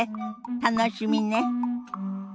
楽しみね。